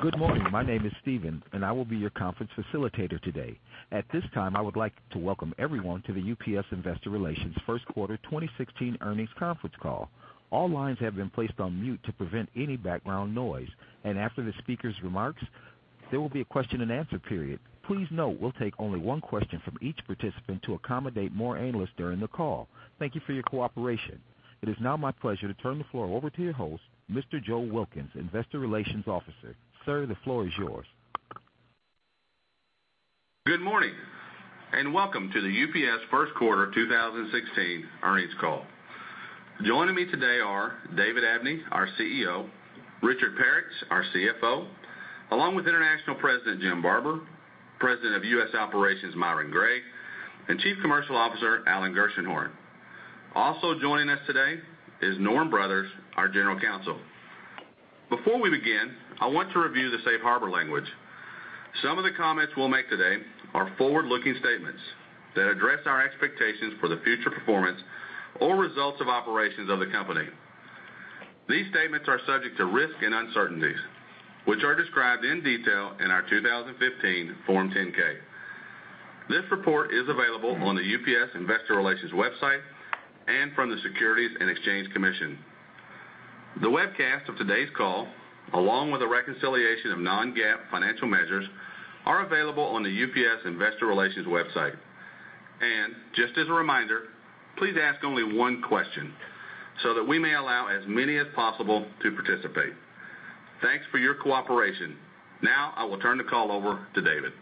Good morning. My name is Steven, and I will be your conference facilitator today. At this time, I would like to welcome everyone to the UPS Investor Relations first quarter 2016 earnings conference call. All lines have been placed on mute to prevent any background noise. After the speaker's remarks, there will be a question and answer period. Please note we'll take only one question from each participant to accommodate more analysts during the call. Thank you for your cooperation. It is now my pleasure to turn the floor over to your host, Mr. Joe Wilkins, Investor Relations Officer. Sir, the floor is yours. Good morning, and welcome to the UPS first quarter 2016 earnings call. Joining me today are David Abney, our CEO, Richard Peretz, our CFO, along with International President Jim Barber, President of U.S. Operations Myron Gray, and Chief Commercial Officer Alan Gershenhorn. Also joining us today is Norm Brothers, our General Counsel. Before we begin, I want to review the safe harbor language. Some of the comments we'll make today are forward-looking statements that address our expectations for the future performance or results of operations of the company. These statements are subject to risks and uncertainties, which are described in detail in our 2015 Form 10-K. This report is available on the UPS Investor Relations website and from the Securities and Exchange Commission. The webcast of today's call, along with a reconciliation of non-GAAP financial measures, are available on the UPS Investor Relations website. Just as a reminder, please ask only one question so that we may allow as many as possible to participate. Thanks for your cooperation. Now I will turn the call over to David.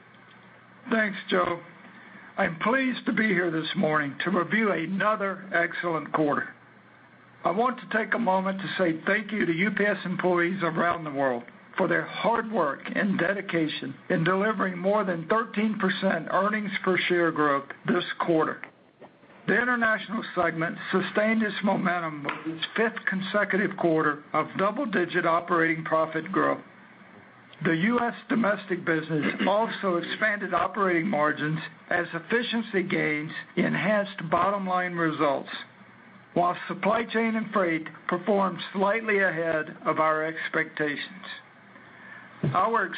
Thanks, Joe. I'm pleased to be here this morning to review another excellent quarter. I want to take a moment to say thank you to UPS employees around the world for their hard work and dedication in delivering more than 13% earnings per share growth this quarter. The international segment sustained its momentum with its fifth consecutive quarter of double-digit operating profit growth. The U.S. domestic business also expanded operating margins as efficiency gains enhanced bottom-line results, while supply chain and freight performed slightly ahead of our expectations. In the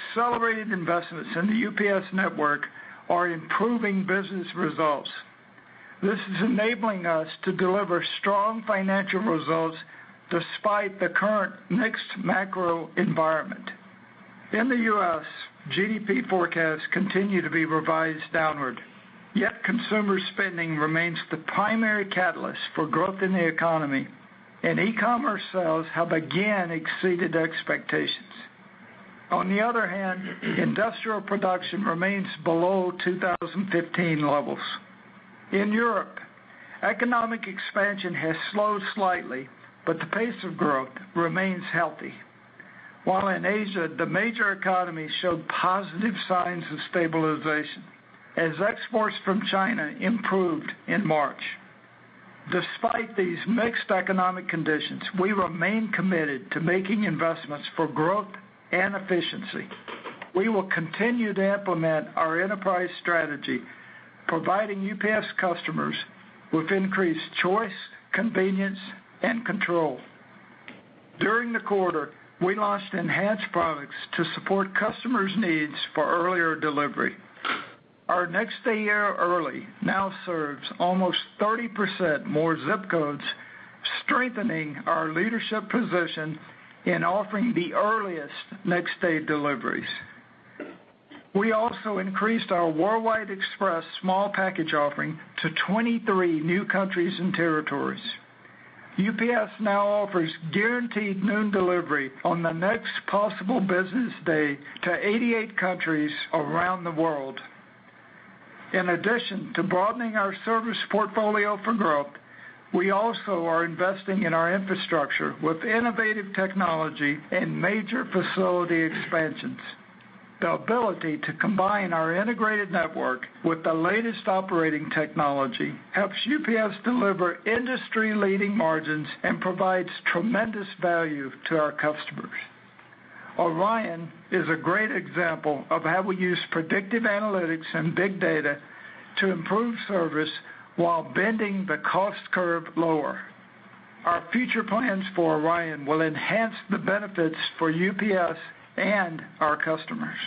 U.S., GDP forecasts continue to be revised downward, yet consumer spending remains the primary catalyst for growth in the economy, and e-commerce sales have again exceeded expectations. On the other hand, industrial production remains below 2015 levels. In Europe, economic expansion has slowed slightly, but the pace of growth remains healthy. While in Asia, the major economies showed positive signs of stabilization as exports from China improved in March. Despite these mixed economic conditions, we remain committed to making investments for growth and efficiency. We will continue to implement our enterprise strategy, providing UPS customers with increased choice, convenience, and control. During the quarter, we launched enhanced products to support customers' needs for earlier delivery. Our UPS Next Day Air Early now serves almost 30% more zip codes, strengthening our leadership position in offering the earliest next-day deliveries. We also increased our UPS Worldwide Express small package offering to 23 new countries and territories. UPS now offers guaranteed noon delivery on the next possible business day to 88 countries around the world. In addition to broadening our service portfolio for growth, we also are investing in our infrastructure with innovative technology and major facility expansions. The ability to combine our integrated network with the latest operating technology helps UPS deliver industry-leading margins and provides tremendous value to our customers. ORION is a great example of how we use predictive analytics and big data to improve service while bending the cost curve lower. Our future plans for ORION will enhance the benefits for UPS and our customers.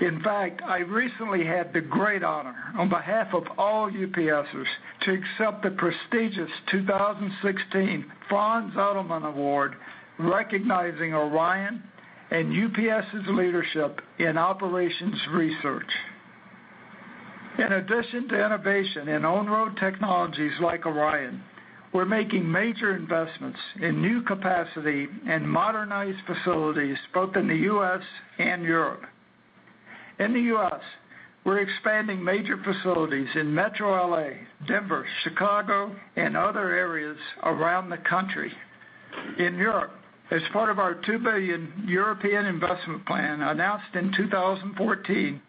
In fact, I recently had the great honor, on behalf of all UPSers, to accept the prestigious 2016 Franz Edelman Award recognizing ORION and UPS's leadership in operations research. In addition to innovation in on-road technologies like ORION, we're making major investments in new capacity and modernized facilities both in the U.S. and Europe. In the U.S., we're expanding major facilities in Metro L.A., Denver, Chicago, and other areas around the country. In Europe, as part of our 2 billion investment plan announced in 2014,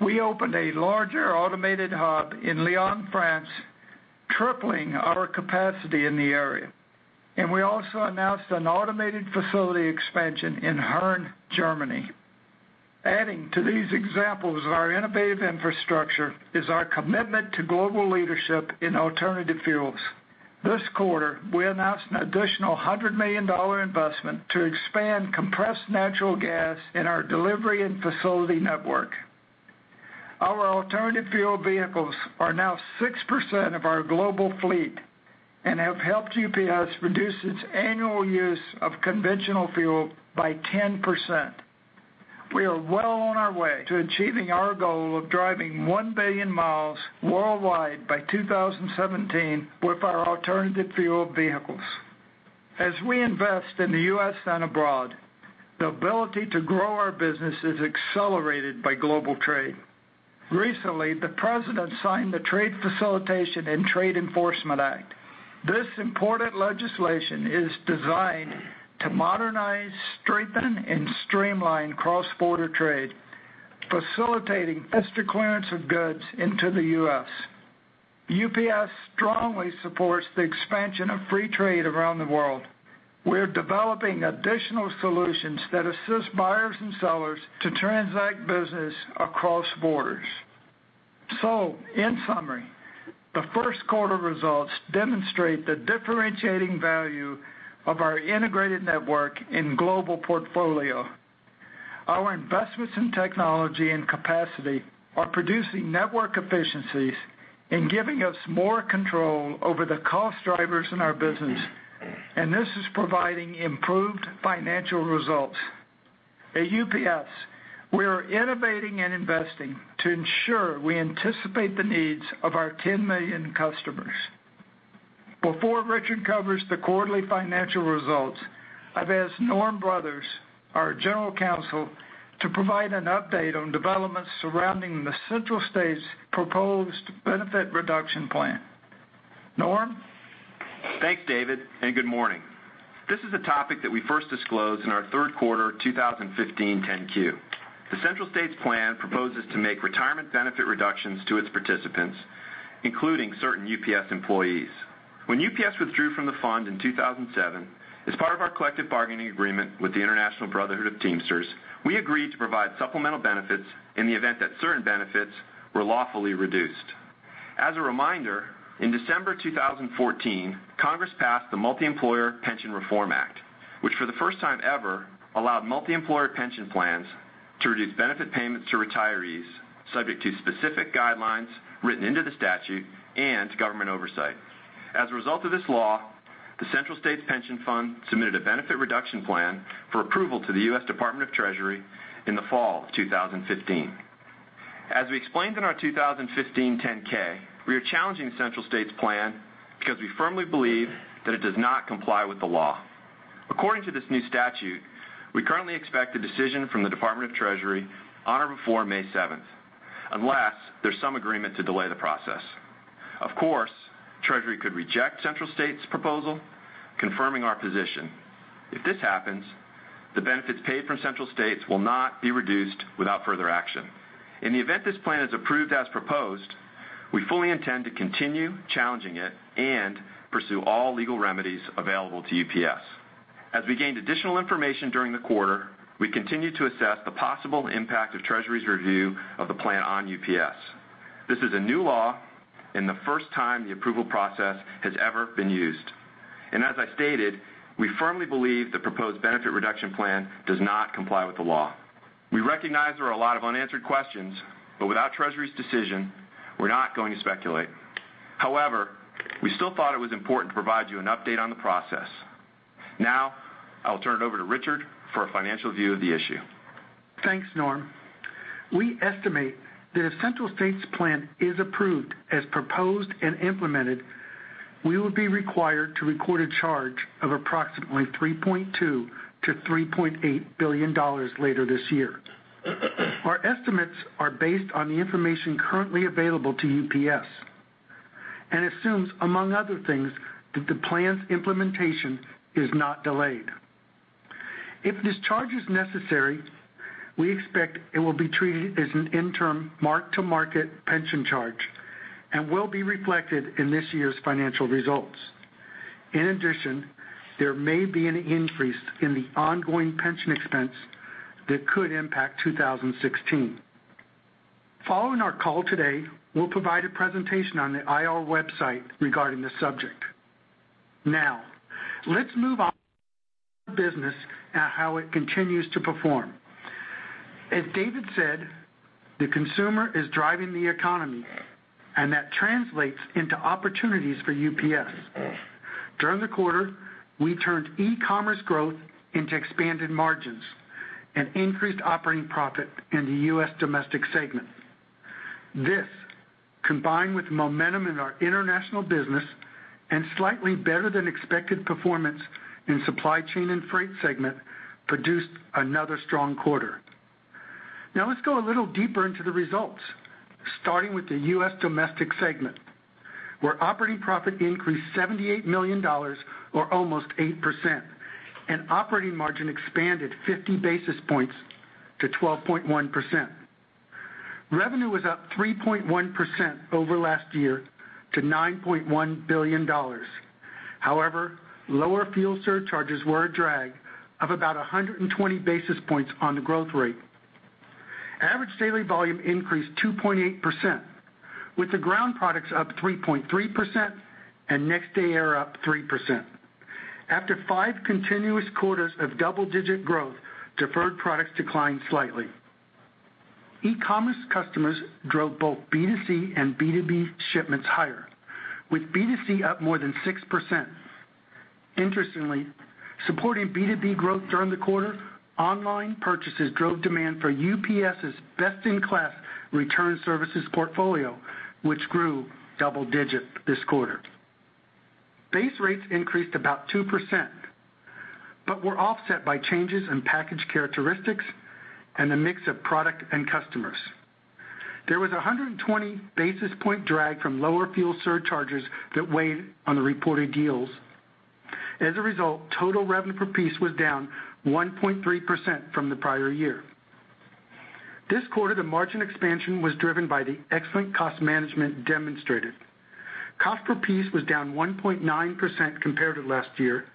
we opened a larger automated hub in Lyon, France, tripling our capacity in the area. We also announced an automated facility expansion in Herne, Germany. Adding to these examples of our innovative infrastructure is our commitment to global leadership in alternative fuels. This quarter, we announced an additional $100 million investment to expand compressed natural gas in our delivery and facility network. Our alternative fuel vehicles are now 6% of our global fleet and have helped UPS reduce its annual use of conventional fuel by 10%. We are well on our way to achieving our goal of driving 1 billion miles worldwide by 2017 with our alternative fuel vehicles. As we invest in the U.S. and abroad, the ability to grow our business is accelerated by global trade. Recently, the President signed the Trade Facilitation and Trade Enforcement Act. This important legislation is designed to modernize, strengthen, and streamline cross-border trade, facilitating faster clearance of goods into the U.S. UPS strongly supports the expansion of free trade around the world. We're developing additional solutions that assist buyers and sellers to transact business across borders. In summary, the first quarter results demonstrate the differentiating value of our integrated network in global portfolio. Our investments in technology and capacity are producing network efficiencies and giving us more control over the cost drivers in our business, and this is providing improved financial results. At UPS, we are innovating and investing to ensure we anticipate the needs of our 10 million customers. Before Richard covers the quarterly financial results, I've asked Norm Brothers, our General Counsel, to provide an update on developments surrounding the Central States proposed benefit reduction plan. Norm? Thanks, David, and good morning. This is a topic that we first disclosed in our third quarter 2015 10-Q. The Central States plan proposes to make retirement benefit reductions to its participants, including certain UPS employees. When UPS withdrew from the fund in 2007, as part of our collective bargaining agreement with the International Brotherhood of Teamsters, we agreed to provide supplemental benefits in the event that certain benefits were lawfully reduced. As a reminder, in December 2014, Congress passed the Multiemployer Pension Reform Act, which for the first time ever, allowed multi-employer pension plans to reduce benefit payments to retirees, subject to specific guidelines written into the statute and to government oversight. As a result of this law, the Central States Pension Fund submitted a benefit reduction plan for approval to the U.S. Department of the Treasury in the fall of 2015. As we explained in our 2015 10-K, we are challenging Central States' plan because we firmly believe that it does not comply with the law. According to this new statute, we currently expect a decision from the Department of the Treasury on or before May 7th, unless there's some agreement to delay the process. Of course, Treasury could reject Central States' proposal, confirming our position. If this happens, the benefits paid from Central States will not be reduced without further action. In the event this plan is approved as proposed, we fully intend to continue challenging it and pursue all legal remedies available to UPS. As we gained additional information during the quarter, we continued to assess the possible impact of Treasury's review of the plan on UPS. This is a new law and the first time the approval process has ever been used. As I stated, we firmly believe the proposed benefit reduction plan does not comply with the law. We recognize there are a lot of unanswered questions, but without Treasury's decision, we're not going to speculate. However, we still thought it was important to provide you an update on the process. Now, I will turn it over to Richard for a financial view of the issue. Thanks, Norm. We estimate that if Central States' plan is approved as proposed and implemented, we will be required to record a charge of approximately $3.2 billion-$3.8 billion later this year. Our estimates are based on the information currently available to UPS and assumes, among other things, that the plan's implementation is not delayed. If this charge is necessary, we expect it will be treated as an interim mark-to-market pension charge and will be reflected in this year's financial results. In addition, there may be an increase in the ongoing pension expense that could impact 2016. Following our call today, we'll provide a presentation on the IR website regarding this subject. Let's move on to business and how it continues to perform. As David said, the consumer is driving the economy, that translates into opportunities for UPS. During the quarter, we turned e-commerce growth into expanded margins and increased operating profit in the U.S. domestic segment. This, combined with momentum in our international business and slightly better than expected performance in Supply Chain and Freight segment, produced another strong quarter. Let's go a little deeper into the results, starting with the U.S. domestic segment, where operating profit increased $78 million or almost 8%, and operating margin expanded 50 basis points to 12.1%. Revenue was up 3.1% over last year to $9.1 billion. However, lower fuel surcharges were a drag of about 120 basis points on the growth rate. Average daily volume increased 2.8%, with the ground products up 3.3% and Next Day Air up 3%. After five continuous quarters of double-digit growth, deferred products declined slightly. E-commerce customers drove both B2C and B2B shipments higher, with B2C up more than 6%. Interestingly, supporting B2B growth during the quarter, online purchases drove demand for UPS's best-in-class return services portfolio, which grew double digits this quarter. Base rates increased about 2%, were offset by changes in package characteristics and the mix of product and customers. There was 120 basis point drag from lower fuel surcharges that weighed on the reported yields. As a result, total revenue per piece was down 1.3% from the prior year. This quarter, the margin expansion was driven by the excellent cost management demonstrated. Cost per piece was down 1.9% compared to last year.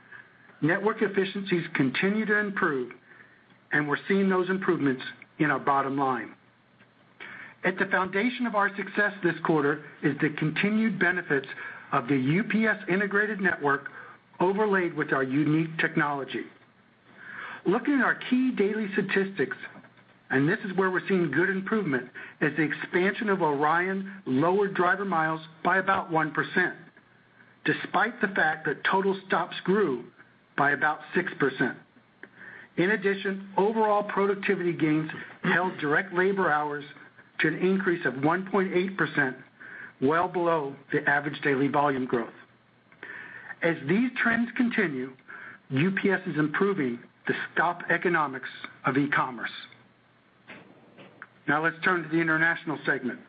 Network efficiencies continue to improve, we're seeing those improvements in our bottom line. At the foundation of our success this quarter is the continued benefits of the UPS integrated network overlaid with our unique technology. Looking at our key daily statistics, this is where we're seeing good improvement, as the expansion of ORION lowered driver miles by about 1%, despite the fact that total stops grew by about 6%. In addition, overall productivity gains held direct labor hours to an increase of 1.8%, well below the average daily volume growth. As these trends continue, UPS is improving the stop economics of e-commerce. Let's turn to the international segment.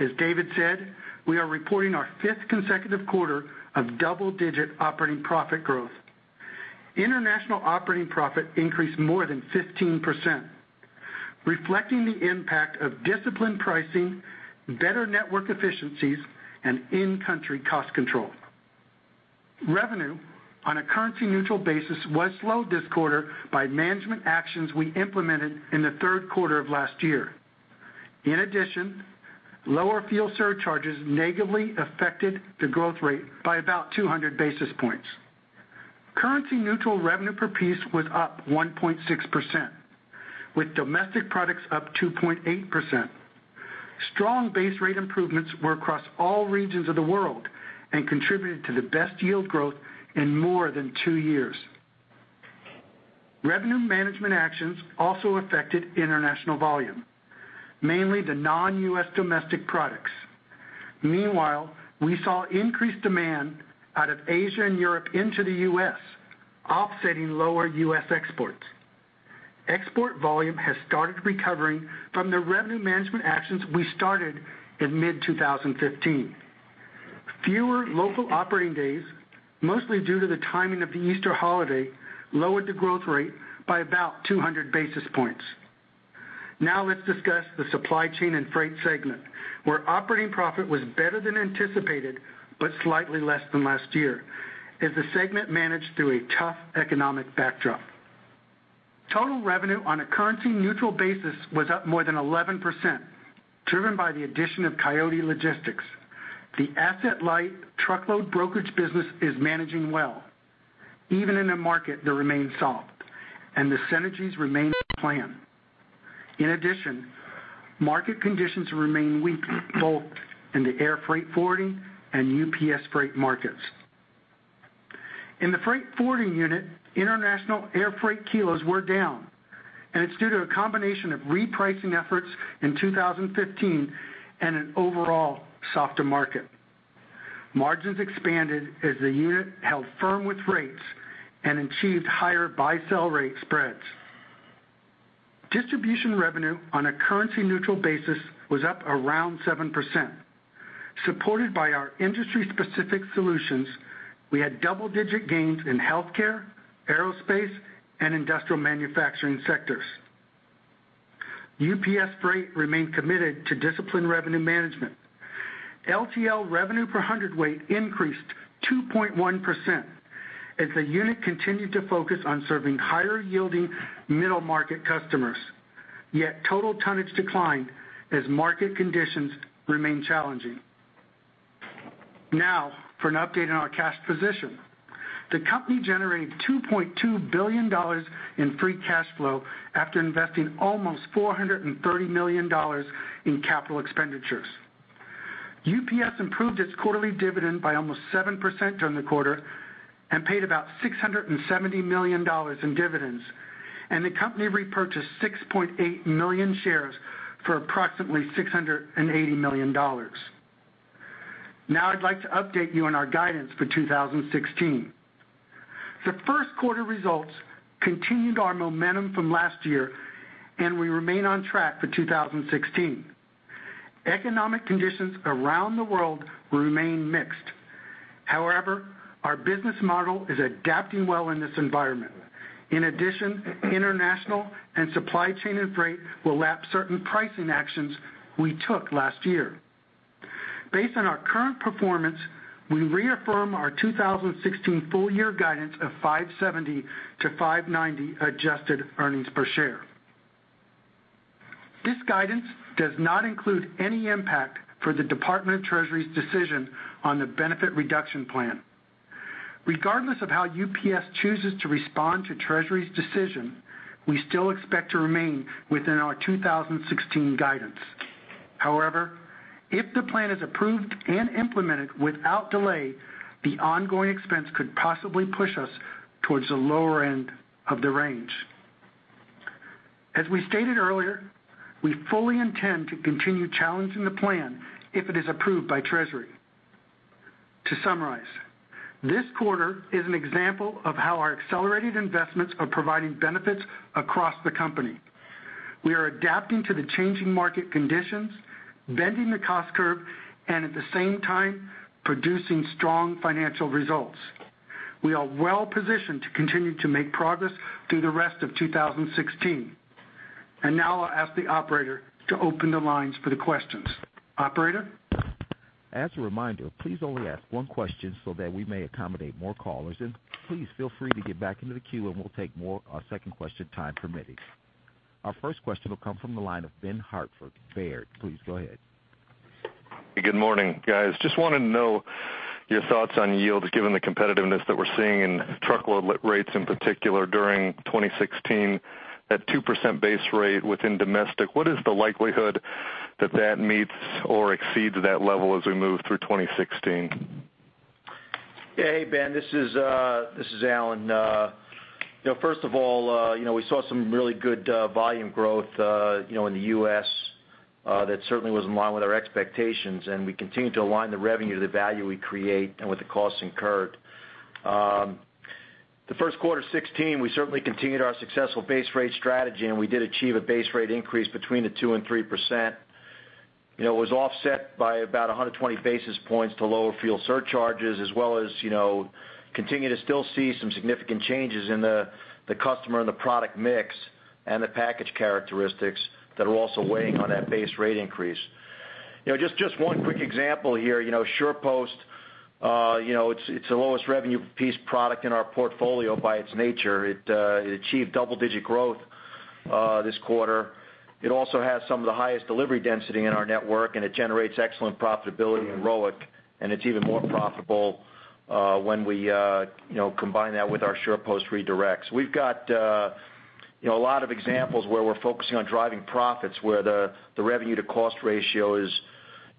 As David said, we are reporting our fifth consecutive quarter of double-digit operating profit growth. International operating profit increased more than 15%, reflecting the impact of disciplined pricing, better network efficiencies, and in-country cost control. Revenue on a currency-neutral basis was slowed this quarter by management actions we implemented in the third quarter of last year. Lower fuel surcharges negatively affected the growth rate by about 200 basis points. Currency-neutral revenue per piece was up 1.6%, with domestic products up 2.8%. Strong base rate improvements were across all regions of the world and contributed to the best yield growth in more than two years. Revenue management actions also affected international volume, mainly the non-U.S. domestic products. Meanwhile, we saw increased demand out of Asia and Europe into the U.S., offsetting lower U.S. exports. Export volume has started recovering from the revenue management actions we started in mid-2015. Fewer local operating days, mostly due to the timing of the Easter holiday, lowered the growth rate by about 200 basis points. Let's discuss the supply chain and freight segment, where operating profit was better than anticipated but slightly less than last year as the segment managed through a tough economic backdrop. Total revenue on a currency-neutral basis was up more than 11%, driven by the addition of Coyote Logistics. The asset-light truckload brokerage business is managing well, even in a market that remains soft, and the synergies remain as planned. Market conditions remain weak both in the air freight forwarding and UPS Freight markets. In the freight forwarding unit, international air freight kilos were down, and it's due to a combination of repricing efforts in 2015 and an overall softer market. Margins expanded as the unit held firm with rates and achieved higher buy-sell rate spreads. Distribution revenue on a currency-neutral basis was up around 7%. Supported by our industry-specific solutions, we had double-digit gains in healthcare, aerospace, and industrial manufacturing sectors. UPS Freight remained committed to disciplined revenue management. LTL revenue per hundredweight increased 2.1% as the unit continued to focus on serving higher-yielding middle-market customers, yet total tonnage declined as market conditions remained challenging. For an update on our cash position. The company generated $2.2 billion in free cash flow after investing almost $430 million in capital expenditures. UPS improved its quarterly dividend by almost 7% during the quarter and paid about $670 million in dividends. The company repurchased 6.8 million shares for approximately $680 million. I'd like to update you on our guidance for 2016. The first quarter results continued our momentum from last year, and we remain on track for 2016. Economic conditions around the world remain mixed. Our business model is adapting well in this environment. International and supply chain and freight will lap certain pricing actions we took last year. Based on our current performance, we reaffirm our 2016 full year guidance of $5.70-$5.90 adjusted earnings per share. This guidance does not include any impact for the Department of Treasury's decision on the benefit reduction plan. Regardless of how UPS chooses to respond to Treasury's decision, we still expect to remain within our 2016 guidance. If the plan is approved and implemented without delay, the ongoing expense could possibly push us towards the lower end of the range. As we stated earlier, we fully intend to continue challenging the plan if it is approved by Treasury. This quarter is an example of how our accelerated investments are providing benefits across the company. We are adapting to the changing market conditions, bending the cost curve, and at the same time, producing strong financial results. We are well-positioned to continue to make progress through the rest of 2016. Now I'll ask the operator to open the lines for the questions. Operator? As a reminder, please only ask one question so that we may accommodate more callers, please feel free to get back into the queue and we'll take more on second question time permitting. Our first question will come from the line of Benjamin Hartford, Baird. Please go ahead. Good morning, guys. Just wanted to know your thoughts on yields given the competitiveness that we're seeing in truckload rates, in particular during 2016, that 2% base rate within domestic. What is the likelihood that that meets or exceeds that level as we move through 2016? Hey, Ben. This is Alan. First of all, we saw some really good volume growth in the U.S. that certainly was in line with our expectations, we continue to align the revenue to the value we create and with the costs incurred. The first quarter 2016, we certainly continued our successful base rate strategy, we did achieve a base rate increase between the 2% and 3%. It was offset by about 120 basis points to lower fuel surcharges, as well as continue to still see some significant changes in the customer and the product mix and the package characteristics that are also weighing on that base rate increase. Just one quick example here. SurePost, it's the lowest revenue piece product in our portfolio by its nature. It achieved double-digit growth this quarter. It also has some of the highest delivery density in our network, it generates excellent profitability and ROIC, and it's even more profitable when we combine that with our SurePost Redirects. We've got a lot of examples where we're focusing on driving profits where the revenue to cost ratio is,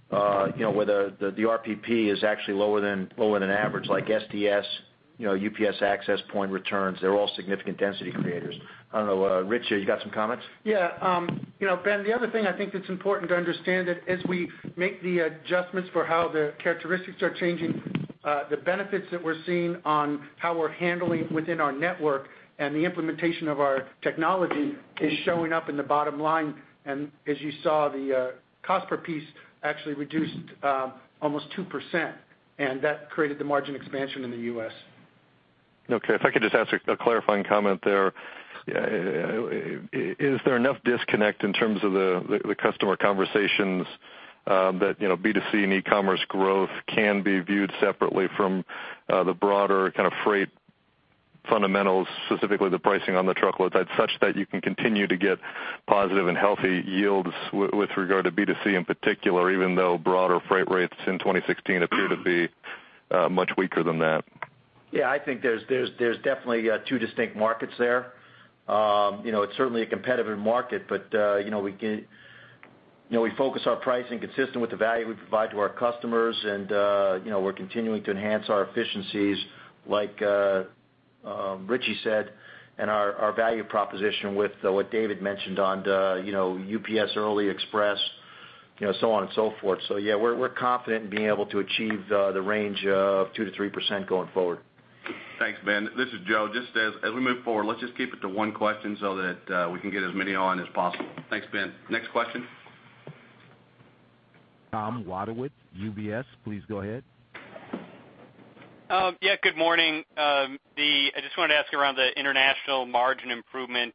where the RPP is actually lower than average, like SDS, UPS Access Point returns. They're all significant density creators. I don't know. Richie, you got some comments? Yeah. Ben, the other thing I think that's important to understand that as we make the adjustments for how the characteristics are changing, the benefits that we're seeing on how we're handling within our network and the implementation of our technology is showing up in the bottom line. As you saw, the cost per piece actually reduced almost 2%, and that created the margin expansion in the U.S. Okay. If I could just ask a clarifying comment there. Is there enough disconnect in terms of the customer conversations that B2C and e-commerce growth can be viewed separately from the broader kind of freight fundamentals, specifically the pricing on the truckload side, such that you can continue to get positive and healthy yields with regard to B2C in particular, even though broader freight rates in 2016 appear to be much weaker than that? Yeah, I think there's definitely two distinct markets there. It's certainly a competitive market, we focus our pricing consistent with the value we provide to our customers, and we're continuing to enhance our efficiencies, like Richie said, and our value proposition with what David mentioned on the UPS Early Express, so on and so forth. Yeah, we're confident in being able to achieve the range of 2%-3% going forward. Thanks, Ben. This is Joe. Just as we move forward, let's just keep it to one question so that we can get as many on as possible. Thanks, Ben. Next question. Thomas Wadewitz, UBS, please go ahead. Yeah, good morning. I just wanted to ask around the international margin improvement.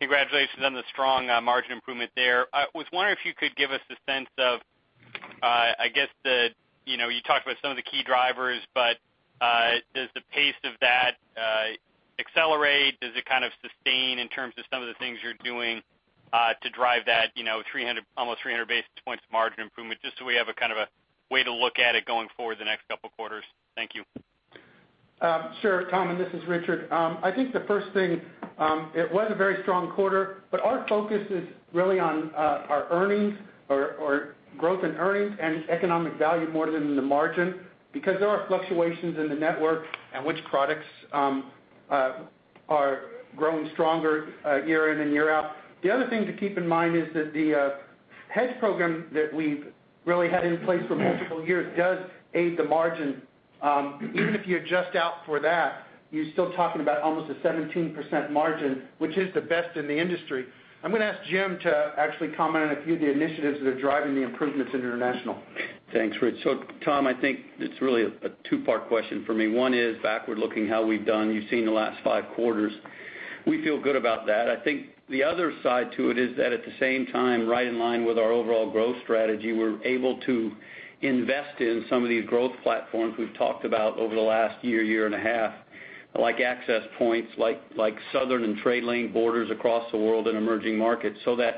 Congratulations on the strong margin improvement there. I was wondering if you could give us a sense of, you talked about some of the key drivers, does the pace of that accelerate? Does it kind of sustain in terms of some of the things you're doing to drive that almost 300 basis points margin improvement, just so we have a kind of a way to look at it going forward the next couple of quarters? Thank you. Sure, Tom, this is Richard. I think the first thing, it was a very strong quarter, our focus is really on our earnings or growth in earnings and economic value more than the margin because there are fluctuations in the network and which products are growing stronger year in and year out. The other thing to keep in mind is that the hedge program that we've really had in place for multiple years does aid the margin. Even if you adjust out for that, you're still talking about almost a 17% margin, which is the best in the industry. I'm going to ask Jim to actually comment on a few of the initiatives that are driving the improvements in international. Thanks, Rich. Tom, I think it's really a two-part question for me. One is backward-looking, how we've done. You've seen the last five quarters. We feel good about that. I think the other side to it is that at the same time, right in line with our overall growth strategy, we're able to invest in some of these growth platforms we've talked about over the last year and a half, like Access Points, like southern and trade lane borders across the world in emerging markets. That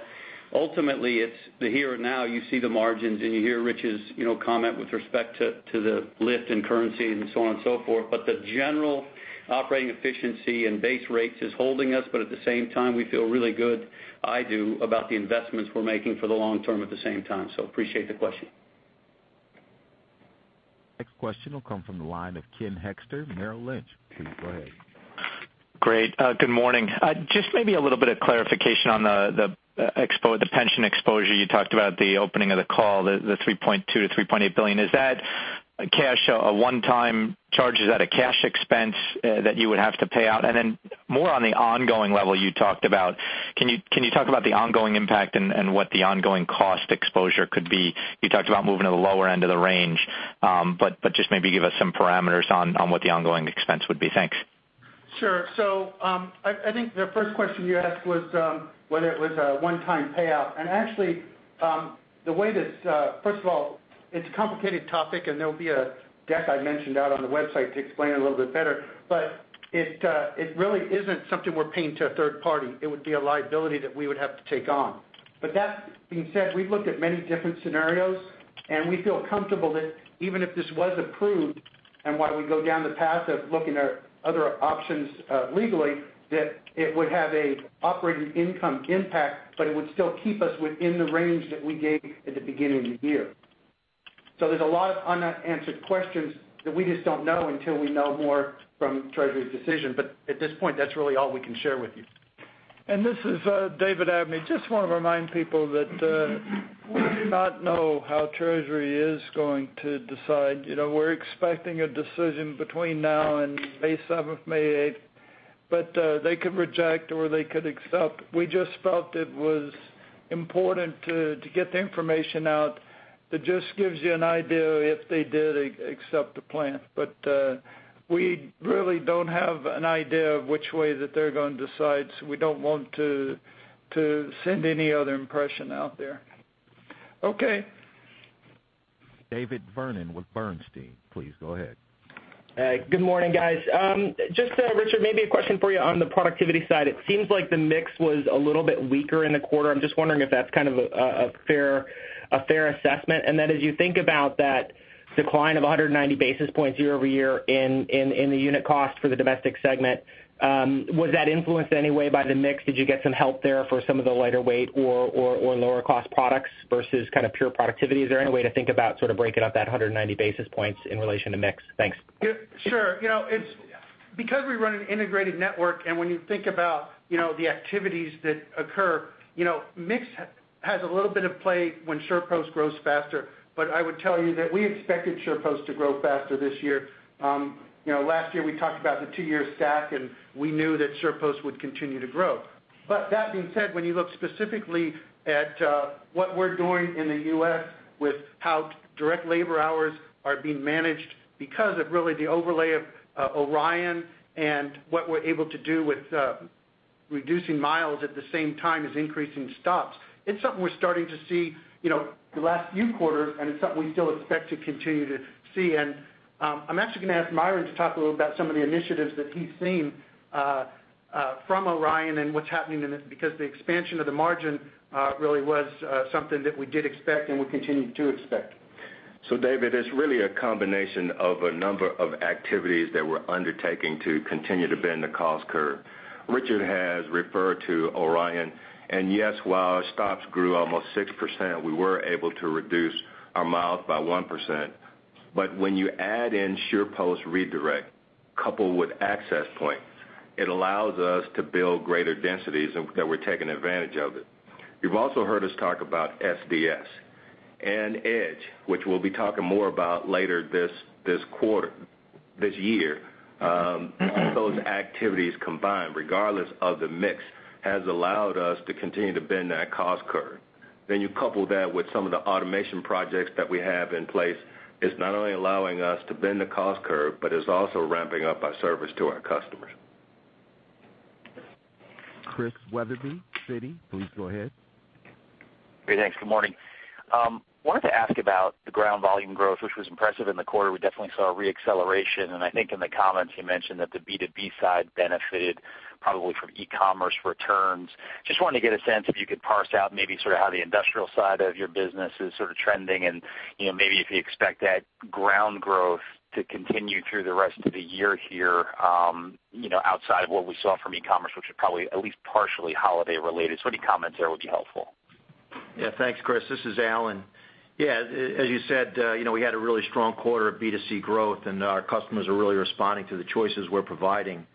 ultimately it's the here and now, you see the margins, and you hear Rich's comment with respect to the lift in currency and so on and so forth. the general operating efficiency and base rates is holding us, but at the same time, we feel really good, I do, about the investments we're making for the long term at the same time. Appreciate the question. Next question will come from the line of Ken Hoexter, Merrill Lynch. Please go ahead. Great, good morning. Just maybe a little bit of clarification on the pension exposure. You talked about at the opening of the call, the $3.2 billion-$3.8 billion. Is that cash a one-time charge? Is that a cash expense that you would have to pay out? Then more on the ongoing level you talked about, can you talk about the ongoing impact and what the ongoing cost exposure could be? You talked about moving to the lower end of the range, just maybe give us some parameters on what the ongoing expense would be. Thanks. Sure. I think the first question you asked was whether it was a one-time payout. Actually, first of all, it's a complicated topic, and there'll be a deck I mentioned out on the website to explain it a little bit better. It really isn't something we're paying to a third party. It would be a liability that we would have to take on. That being said, we've looked at many different scenarios, and we feel comfortable that even if this was approved and while we go down the path of looking at other options legally, that it would have an operating income impact, but it would still keep us within the range that we gave at the beginning of the year. There's a lot of unanswered questions that we just don't know until we know more from Treasury's decision. At this point, that is really all we can share with you. This is David Abney. I just want to remind people that we do not know how Treasury is going to decide. We are expecting a decision between now and May 7, May 8, but they could reject, or they could accept. We just felt it was important to get the information out that just gives you an idea if they did accept the plan. We really don't have an idea of which way that they are going to decide, so we don't want to send any other impression out there. Okay. David Vernon with Bernstein, please go ahead. Good morning, guys. Just, Richard, maybe a question for you on the productivity side. It seems like the mix was a little bit weaker in the quarter. I am just wondering if that is kind of a fair assessment, and then as you think about that decline of 190 basis points year-over-year in the unit cost for the domestic segment, was that influenced in any way by the mix? Did you get some help there for some of the lighter weight or lower-cost products versus kind of pure productivity? Is there any way to think about sort of breaking up that 190 basis points in relation to mix? Thanks. Sure. We run an integrated network, and when you think about the activities that occur, mix has a little bit of play when UPS SurePost grows faster. I would tell you that we expected UPS SurePost to grow faster this year. Last year, we talked about the two-year stack, and we knew that UPS SurePost would continue to grow. That being said, when you look specifically at what we're doing in the U.S. with how direct labor hours are being managed because of really the overlay of ORION and what we're able to do with reducing miles at the same time as increasing stops, it's something we're starting to see the last few quarters, and it's something we still expect to continue to see. I'm actually going to ask Myron to talk a little about some of the initiatives that he's seen from ORION and what's happening in this, because the expansion of the margin really was something that we did expect and we continue to expect. David, it's really a combination of a number of activities that we're undertaking to continue to bend the cost curve. Richard has referred to ORION, and yes, while our stops grew almost 6%, we were able to reduce our miles by 1%. When you add in SurePost Redirect coupled with UPS Access Point, it allows us to build greater densities that we're taking advantage of. You've also heard us talk about SDS and EDGE, which we'll be talking more about later this year. All those activities combined, regardless of the mix, has allowed us to continue to bend that cost curve. You couple that with some of the automation projects that we have in place, it's not only allowing us to bend the cost curve, but it's also ramping up our service to our customers. Chris Wetherbee, Citi, please go ahead. Great, thanks. Good morning. Wanted to ask about the ground volume growth, which was impressive in the quarter. We definitely saw a re-acceleration. I think in the comments you mentioned that the B2B side benefited probably from e-commerce returns. Just wanted to get a sense if you could parse out maybe sort of how the industrial side of your business is sort of trending and maybe if you expect that ground growth to continue through the rest of the year here, outside of what we saw from e-commerce, which is probably at least partially holiday related. Any comments there would be helpful. Thanks, Chris. This is Alan. As you said, we had a really strong quarter of B2C growth, and our customers are really responding to the choices we're providing.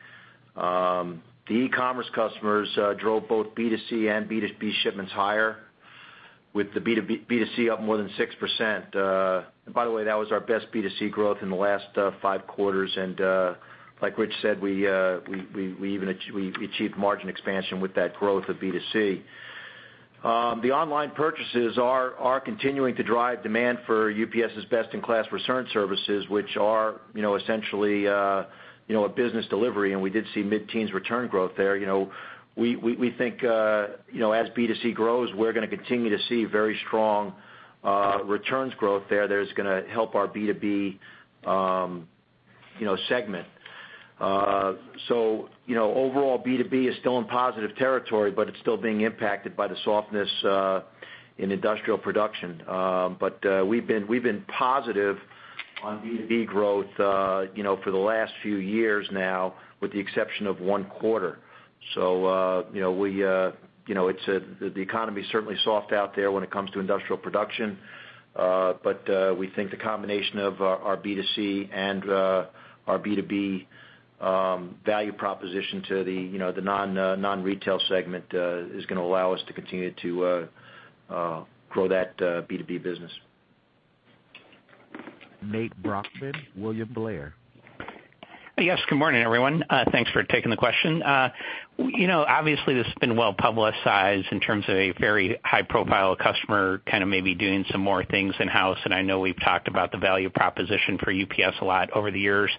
The e-commerce customers drove both B2C and B2B shipments higher. With the B2C up more than 6%. By the way, that was our best B2C growth in the last 5 quarters. Like Rich said, we achieved margin expansion with that growth of B2C. The online purchases are continuing to drive demand for UPS's best-in-class return services, which are essentially a business delivery, and we did see mid-teens return growth there. We think as B2C grows, we're going to continue to see very strong returns growth there that is going to help our B2B segment. Overall, B2B is still in positive territory, but it's still being impacted by the softness in industrial production. We've been positive on B2B growth for the last few years now, with the exception of 1 quarter. The economy is certainly soft out there when it comes to industrial production. We think the combination of our B2C and our B2B value proposition to the non-retail segment is going to allow us to continue to grow that B2B business. Nate Brockman, William Blair. Yes, good morning, everyone. Thanks for taking the question. Obviously, this has been well-publicized in terms of a very high-profile customer kind of maybe doing some more things in-house, and I know we've talked about the value proposition for UPS a lot over the years.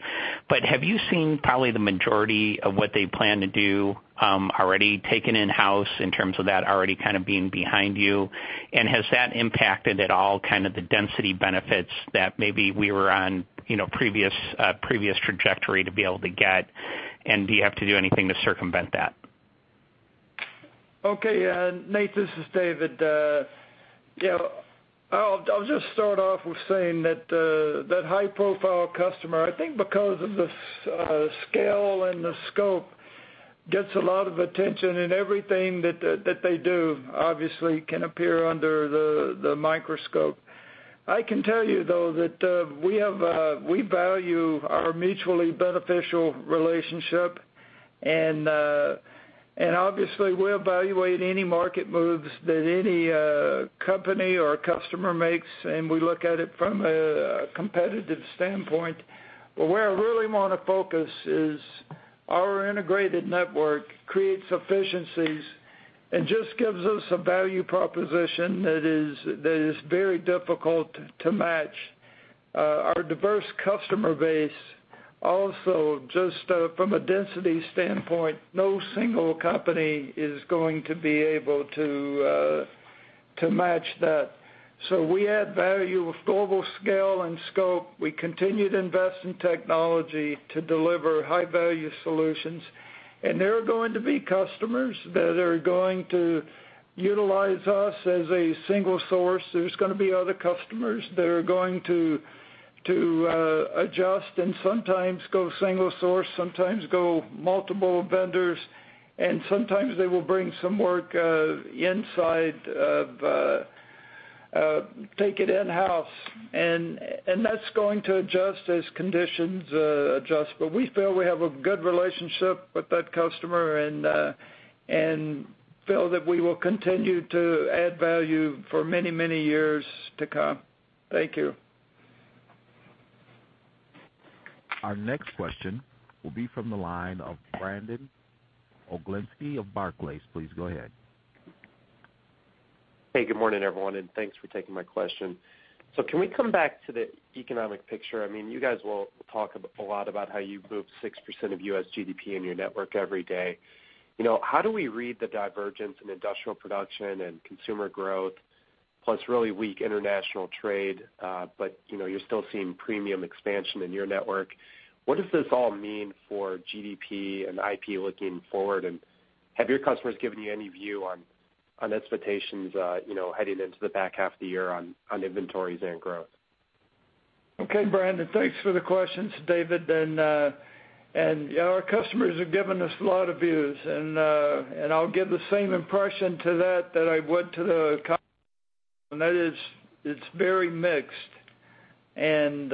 Have you seen probably the majority of what they plan to do already taken in-house in terms of that already kind of being behind you? Has that impacted at all kind of the density benefits that maybe we were on previous trajectory to be able to get? Do you have to do anything to circumvent that? Okay, Nate, this is David. I'll just start off with saying that high-profile customer, I think because of the scale and the scope, gets a lot of attention in everything that they do, obviously can appear under the microscope. I can tell you, though, that we value our mutually beneficial relationship, and obviously, we evaluate any market moves that any company or customer makes, and we look at it from a competitive standpoint. Where I really want to focus is our integrated network creates efficiencies and just gives us a value proposition that is very difficult to match. Our diverse customer base also, just from a density standpoint, no single company is going to be able to match that. We add value with global scale and scope. We continue to invest in technology to deliver high-value solutions. There are going to be customers that are going to utilize us as a single source. There's going to be other customers that are going to adjust and sometimes go single source, sometimes go multiple vendors, and sometimes they will bring some work inside of take it in-house. That's going to adjust as conditions adjust. We feel we have a good relationship with that customer and feel that we will continue to add value for many, many years to come. Thank you. Our next question will be from the line of Brandon Oglenski of Barclays. Please go ahead. Hey, good morning, everyone, and thanks for taking my question. Can we come back to the economic picture? You guys will talk a lot about how you move 6% of U.S. GDP in your network every day. How do we read the divergence in industrial production and consumer growth, plus really weak international trade, but you're still seeing premium expansion in your network. What does this all mean for GDP and IP looking forward? Have your customers given you any view on expectations heading into the back half of the year on inventories and growth? Okay, Brandon. Thanks for the questions. It's David. Our customers have given us a lot of views, and I'll give the same impression to that that I would to the and that is, it's very mixed. U.S.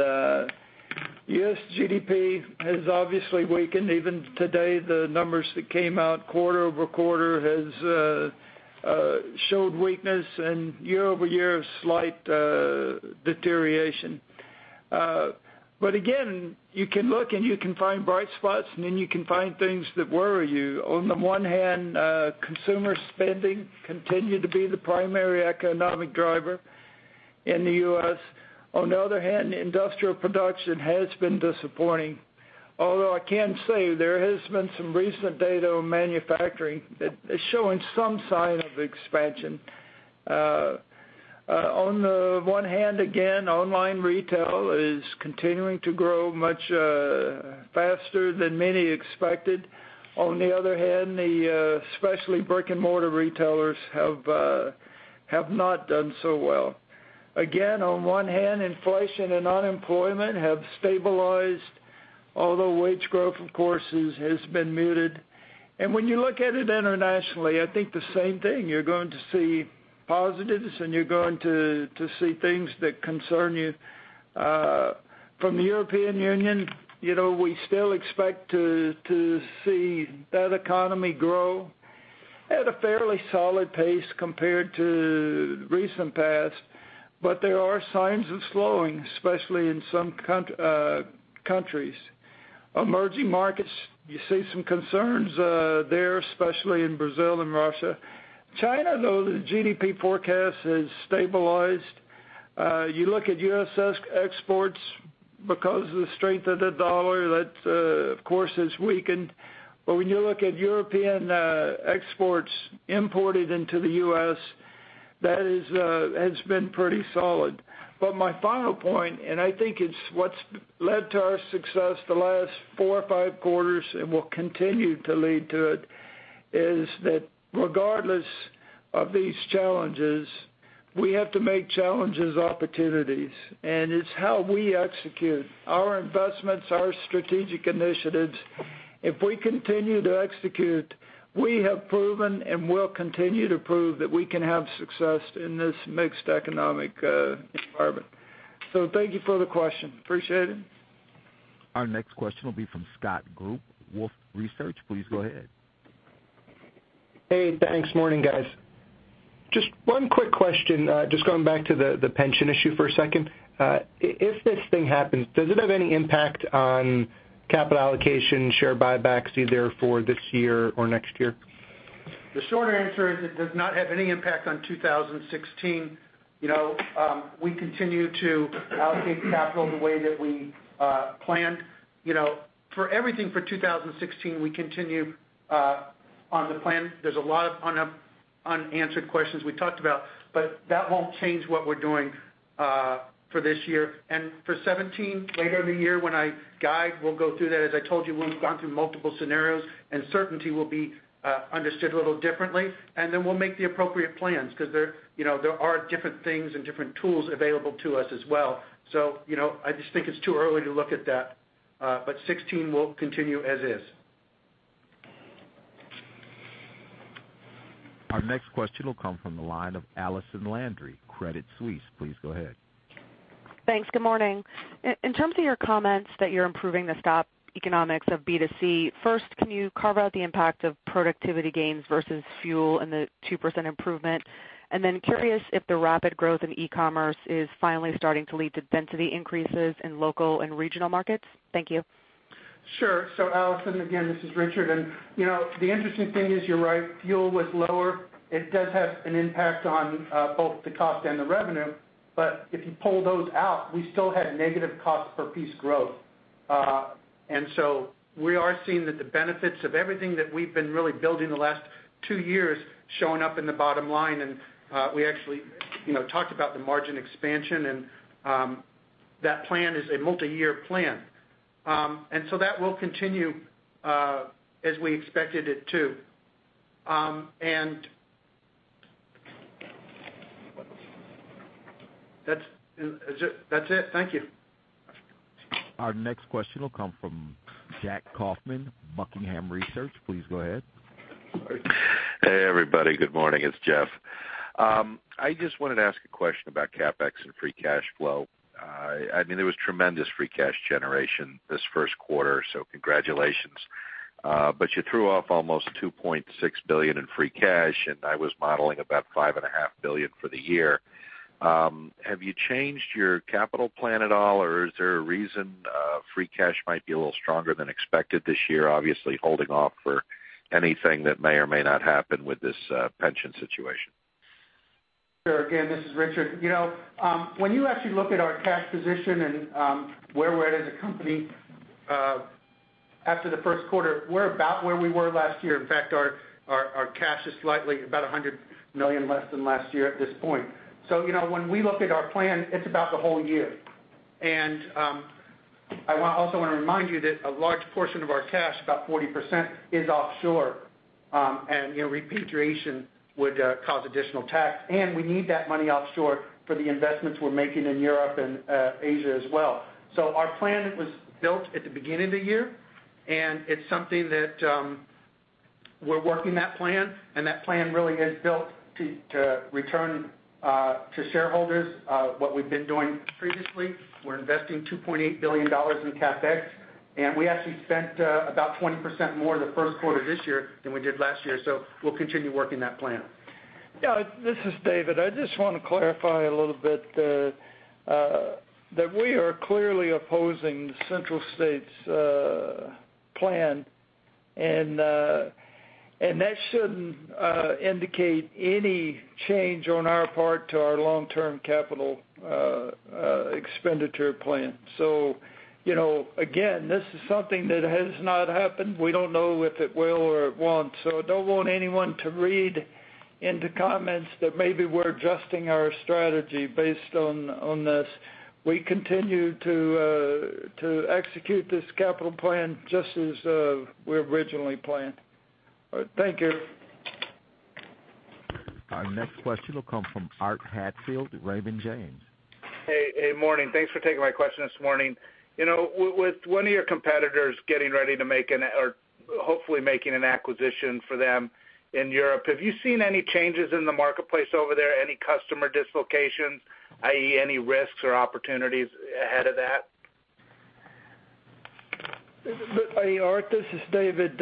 GDP has obviously weakened. Even today, the numbers that came out quarter-over-quarter has showed weakness and year-over-year of slight deterioration. Again, you can look and you can find bright spots, and then you can find things that worry you. On the one hand, consumer spending continued to be the primary economic driver in the U.S. On the other hand, industrial production has been disappointing. Although I can say there has been some recent data on manufacturing that is showing some sign of expansion. On the one hand, again, online retail is continuing to grow much faster than many expected. On the other hand, especially brick-and-mortar retailers have not done so well. Again, on one hand, inflation and unemployment have stabilized, although wage growth, of course, has been muted. When you look at it internationally, I think the same thing. You're going to see positives, and you're going to see things that concern you. From the European Union, we still expect to see that economy grow at a fairly solid pace compared to recent past. There are signs of slowing, especially in some countries. Emerging markets, you see some concerns there, especially in Brazil and Russia. China, though, the GDP forecast has stabilized. You look at U.S. exports, because of the strength of the dollar, that, of course, has weakened. When you look at European exports imported into the U.S., that has been pretty solid. My final point, and I think it's what's led to our success the last four or five quarters and will continue to lead to it, is that regardless of these challenges, we have to make challenges opportunities. It's how we execute our investments, our strategic initiatives. If we continue to execute, we have proven and will continue to prove that we can have success in this mixed economic environment. Thank you for the question. Appreciate it. Our next question will be from Scott Group, Wolfe Research. Please go ahead. Hey, thanks. Morning, guys. Just one quick question, just going back to the pension issue for a second. If this thing happens, does it have any impact on capital allocation, share buybacks, either for this year or next year? The short answer is it does not have any impact on 2016. We continue to allocate capital the way that we planned. For everything for 2016, we continue on the plan. There's a lot of unanswered questions we talked about, that won't change what we're doing for this year. For 2017, later in the year when I guide, we'll go through that. As I told you, we've gone through multiple scenarios, certainty will be understood a little differently, then we'll make the appropriate plans because there are different things and different tools available to us as well. I just think it's too early to look at that. 2016 will continue as is. Our next question will come from the line of Allison Landry, Credit Suisse. Please go ahead. Thanks. Good morning. In terms of your comments that you're improving the stop economics of B2C, first, can you carve out the impact of productivity gains versus fuel and the 2% improvement? Curious if the rapid growth of e-commerce is finally starting to lead to density increases in local and regional markets. Thank you. Sure. Allison, again, this is Richard, the interesting thing is you're right, fuel was lower. It does have an impact on both the cost and the revenue. If you pull those out, we still had negative cost per piece growth. We are seeing that the benefits of everything that we've been really building the last two years showing up in the bottom line, we actually talked about the margin expansion, that plan is a multi-year plan. That will continue, as we expected it to. That's it. Thank you. Our next question will come from Jeff Atkins, Buckingham Research. Please go ahead. Hey, everybody. Good morning. It's Jeff. I just wanted to ask a question about CapEx and free cash flow. There was tremendous free cash generation this first quarter, congratulations. You threw off almost $2.6 billion in free cash, I was modeling about $5.5 billion for the year. Have you changed your capital plan at all, is there a reason free cash might be a little stronger than expected this year? Obviously, holding off for anything that may or may not happen with this pension situation. Sure. Again, this is Richard. When you actually look at our cash position and where we're at as a company after the first quarter, we're about where we were last year. In fact, our cash is slightly about $100 million less than last year at this point. When we look at our plan, it's about the whole year. I also want to remind you that a large portion of our cash, about 40%, is offshore. Repatriation would cause additional tax, and we need that money offshore for the investments we're making in Europe and Asia as well. Our plan was built at the beginning of the year, and it's something that we're working that plan, and that plan really is built to return to shareholders what we've been doing previously. We're investing $2.8 billion in CapEx, and we actually spent about 20% more in the first quarter this year than we did last year. We'll continue working that plan. Yeah, this is David. I just want to clarify a little bit that we are clearly opposing the Central States plan, and that shouldn't indicate any change on our part to our long-term capital expenditure plan. Again, this is something that has not happened. We don't know if it will or it won't. I don't want anyone to read into comments that maybe we're adjusting our strategy based on this. We continue to execute this capital plan just as we originally planned. All right, thank you. Our next question will come from Arthur Hatfield, Raymond James. Hey. Morning. Thanks for taking my question this morning. With one of your competitors getting ready to make an, or hopefully, making an acquisition for them in Europe. Have you seen any changes in the marketplace over there? Any customer dislocations, i.e., any risks or opportunities ahead of that? Art, this is David.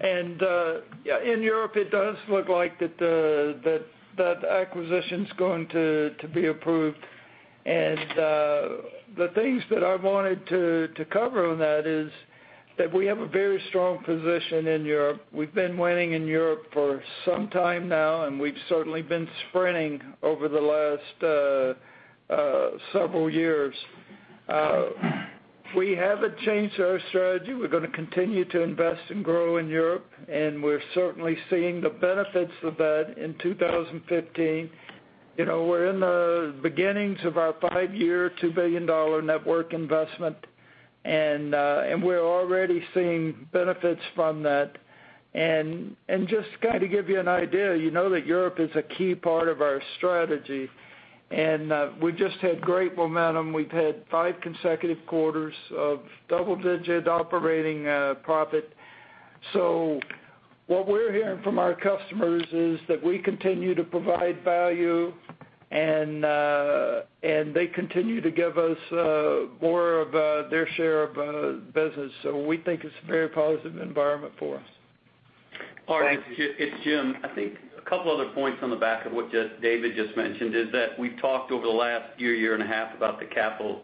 In Europe, it does look like that the acquisition is going to be approved. The things that I wanted to cover on that is that we have a very strong position in Europe. We've been winning in Europe for some time now, and we've certainly been sprinting over the last several years. We haven't changed our strategy. We're going to continue to invest and grow in Europe, and we're certainly seeing the benefits of that in 2015. We're in the beginnings of our five-year, $2 billion network investment, and we're already seeing benefits from that. Just to give you an idea, you know that Europe is a key part of our strategy, and we've just had great momentum. We've had five consecutive quarters of double-digit operating profit. What we're hearing from our customers is that we continue to provide value, and they continue to give us more of their share of business. We think it's a very positive environment for us. Thank you. Art, it's Jim. I think a couple other points on the back of what David just mentioned is that we've talked over the last year and a half, about the capital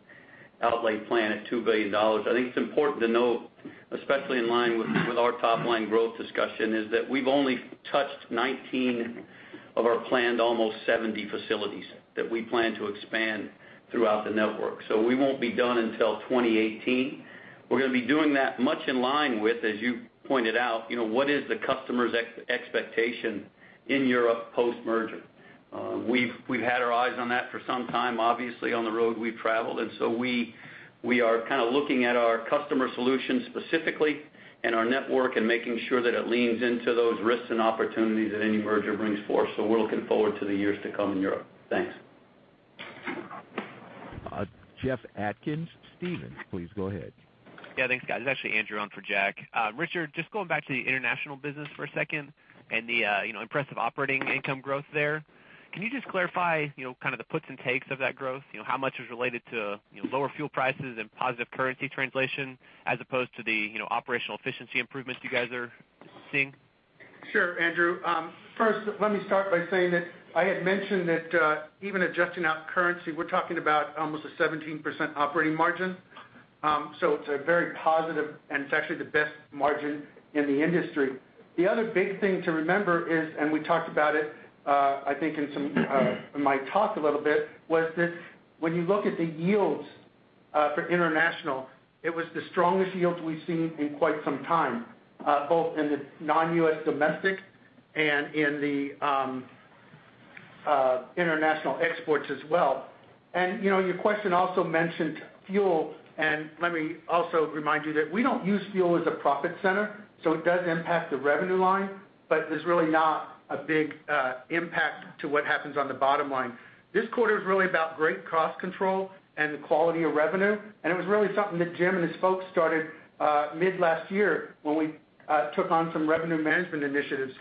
outlay plan at $2 billion. I think it's important to note, especially in line with our top-line growth discussion, is that we've only touched 19 of our planned almost 70 facilities that we plan to expand throughout the network. We won't be done until 2018. We're going to be doing that much in line with, as you pointed out, what is the customer's expectation in Europe post-merger. We've had our eyes on that for some time, obviously, on the road we've traveled. We are looking at our customer solutions specifically and our network and making sure that it leans into those risks and opportunities that any merger brings forth. We're looking forward to the years to come in Europe. Thanks. Jack Atkins, Stephens, please go ahead. Yeah, thanks, Scott. It's actually Andrew on for Jack. Richard, just going back to the international business for a second and the impressive operating income growth there. Can you just clarify the puts and takes of that growth? How much was related to lower fuel prices and positive currency translation as opposed to the operational efficiency improvements you guys are seeing? Sure, Andrew. First, let me start by saying that I had mentioned that even adjusting out currency, we're talking about almost a 17% operating margin. It's very positive, and it's actually the best margin in the industry. The other big thing to remember is, we talked about it I think in my talk a little bit, was that when you look at the yields for international, it was the strongest yields we've seen in quite some time, both in the non-U.S. domestic and in the international exports as well. Your question also mentioned fuel, and let me also remind you that we don't use fuel as a profit center, so it does impact the revenue line, but there's really not a big impact to what happens on the bottom line. This quarter is really about great cost control and the quality of revenue, and it was really something that Jim and his folks started mid last year when we took on some revenue management initiatives.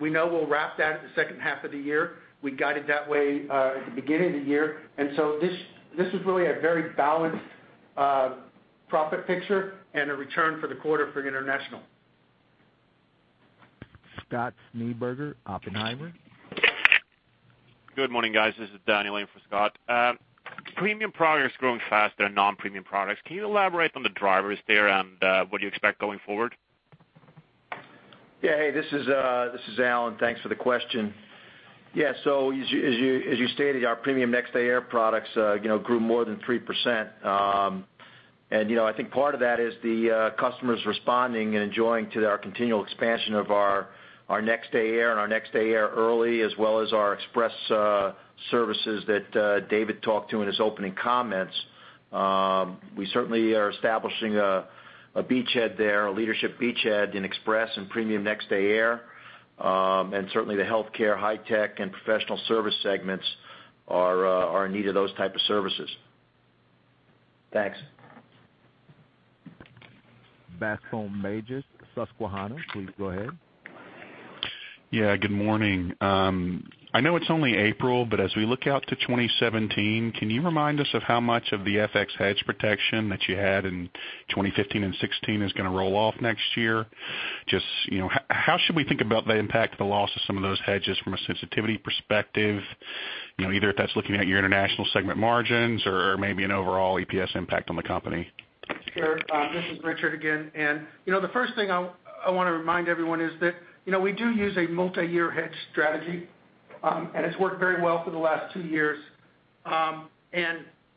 We know we'll wrap that at the second half of the year. We guided that way at the beginning of the year. This was really a very balanced profit picture and a return for the quarter for international. Scott Schneeberger, Oppenheimer. Good morning, guys. This is Danny laying for Scott. Premium product is growing faster than non-premium products. Can you elaborate on the drivers there and what do you expect going forward? Hey, this is Alan. Thanks for the question. As you stated, our premium Next Day Air products grew more than 3%. I think part of that is the customers responding and enjoying to our continual expansion of our Next Day Air and our Next Day Air Early, as well as our Express services that David talked to in his opening comments. We certainly are establishing a beachhead there, a leadership beachhead in Express and premium Next Day Air. Certainly, the healthcare, high-tech, and professional service segments are in need of those type of services. Thanks. Bascome Majors, Susquehanna, please go ahead. Good morning. I know it's only April, but as we look out to 2017, can you remind us of how much of the FX hedge protection that you had in 2015 and 2016 is going to roll off next year? Just how should we think about the impact of the loss of some of those hedges from a sensitivity perspective, either if that's looking at your international segment margins or maybe an overall EPS impact on the company? Sure. This is Richard again. The first thing I want to remind everyone is that we do use a multi-year hedge strategy, and it's worked very well for the last two years.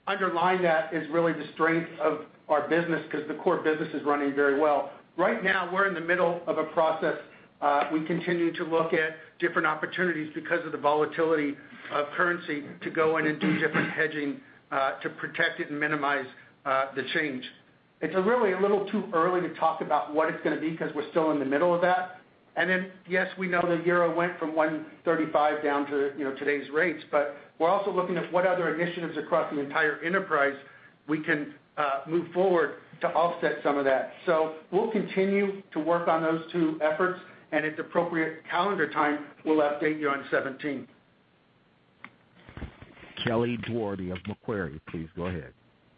Underlying that is really the strength of our business because the core business is running very well. Right now, we're in the middle of a process. We continue to look at different opportunities because of the volatility of currency to go in and do different hedging to protect it and minimize the change. It's really a little too early to talk about what it's going to be because we're still in the middle of that. We know the EUR went from 135 down to today's rates, we're also looking at what other initiatives across the entire enterprise we can move forward to offset some of that. We'll continue to work on those two efforts, and at the appropriate calendar time, we'll update you on 2017. Kelly Dougherty of Macquarie, please go ahead.